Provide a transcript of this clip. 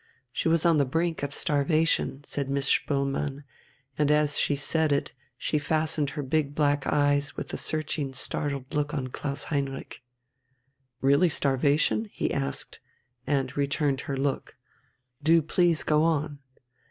She was on the brink of starvation," said Miss Spoelmann, and as she said it she fastened her big black eyes with a searching, startled look on Klaus Heinrich. "Really starvation?" he asked, and returned her look.... "Do please go on."